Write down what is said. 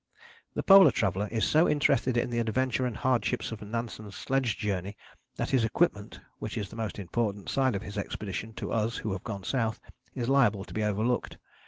The polar traveller is so interested in the adventure and hardships of Nansen's sledge journey that his equipment, which is the most important side of his expedition to us who have gone South, is liable to be overlooked.